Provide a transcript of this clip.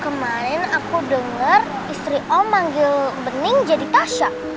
kemarin aku dengar istri om manggil bening jadi tasya